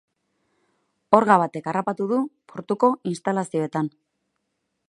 Orga batek harrapatu du portuko instalazioetan.